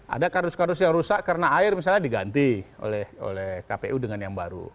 ada kardus kardus yang rusak karena air misalnya diganti oleh kpu dengan yang baru